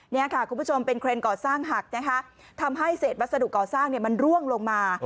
นี่ค่ะคุณผู้ชมเป็นเครนก่อสร้างหักนะคะทำให้เศษวัสดุก่อสร้างมันร่วงลงมา